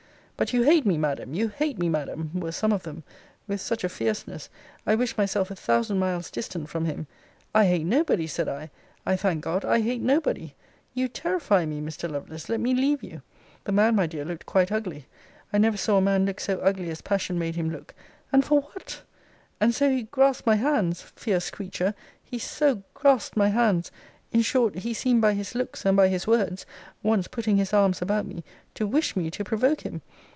But you hate me, Madam! you hate me, Madam! were some of them with such a fierceness I wished myself a thousand miles distant from him. I hate nobody, said I: I thank God I hate nobody You terrify me, Mr. Lovelace let me leave you. The man, my dear, looked quite ugly I never saw a man look so ugly as passion made him look and for what? And so he grasped my hands! fierce creature; he so grasped my hands! In short, he seemed by his looks, and by his words (once putting his arms about me) to wish me to provoke him.